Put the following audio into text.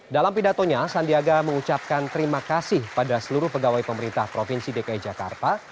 dalam pidatonya sandiaga mengucapkan terima kasih pada seluruh pegawai pemerintah provinsi dki jakarta